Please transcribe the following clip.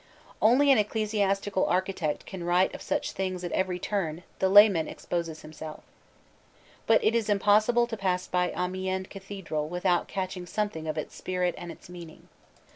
Only an ecclesiastical architect can write of such things at every turn the layman exposes himself. But it is impossible to pass by Amiens cathedral without catching something of its spirit and its meaning.